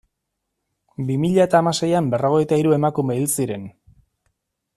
Bi mila eta hamaseian berrogeita hiru emakume hil ziren.